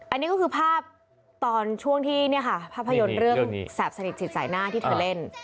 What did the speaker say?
อันนี้ก็คือภาพตอนช่วงที่เนี่ยค่ะภาพยนตร์เรื่องแสบสนิทจิตสายหน้าที่เธอเล่น